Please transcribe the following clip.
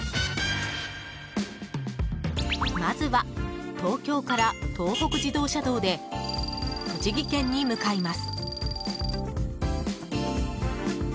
まずは、東京から東北自動車道で栃木県に向かいます。